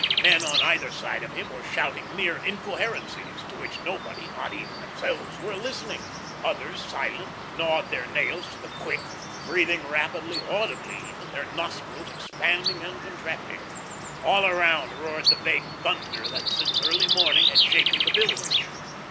Men on either side of him were shouting mere incoherencies, to which nobody, not even themselves, were listening. Others silent, gnawed their nails to the quick, breathing rapidly, audibly even, their nostrils expanding and contracting. All around roared the vague thunder that since early morning had shaken the building.